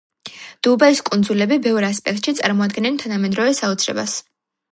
დუბაის კუნძულები ბევრ ასპექტში წარმოადგენენ თანამედროვე საოცრებას.